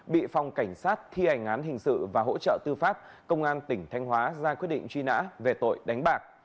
bị phòng cảnh sát thi hành án hình sự và hỗ trợ tư pháp công an tỉnh thanh hóa ra quyết định truy nã về tội đánh bạc